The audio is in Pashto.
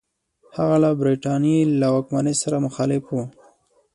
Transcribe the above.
هغه له برټانیې له واکمنۍ سره مخالف وو.